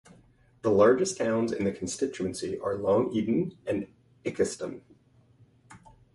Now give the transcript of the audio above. The largest towns in the constituency are Long Eaton and Ilkeston.